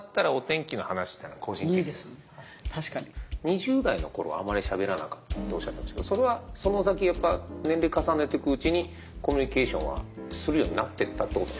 ２０代の頃はあまりしゃべらなかったとおっしゃってましたけどそれはその先やっぱ年齢重ねてくうちにコミュニケーションはするようになってったってことですか？